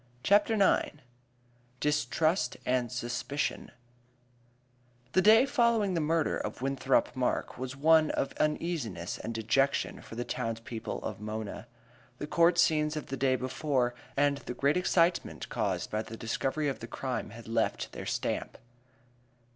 CHAPTER IX Distrust and Suspicion The day following the murder of Winthrop Mark was one of uneasiness and dejection for the towns people of Mona. The court scenes of the day before and the great excitement caused by the discovery of the crime had left their stamp.